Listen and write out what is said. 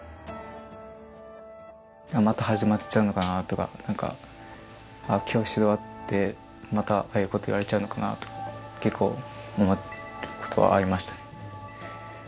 また始まっちゃうのかなとか今日指導終わってまたああいうこと言われちゃうのかなとか結構思うことはありましたね。